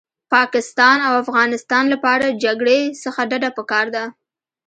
پاکستان او افغانستان لپاره جګړې څخه ډډه پکار ده